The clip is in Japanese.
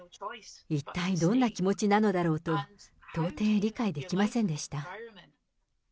一体どんな気持ちなのだろうと、到底、理解できませんでした。